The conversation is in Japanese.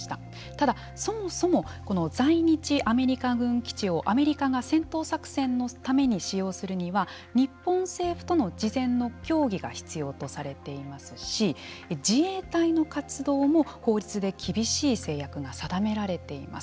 ただ、そもそもこの在日アメリカ軍基地をアメリカが戦闘作戦のために使用するには日本政府との事前の協議が必要とされていますし自衛隊の活動も法律で厳しい制約が定められています。